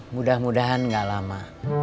mudah mudahan gak lama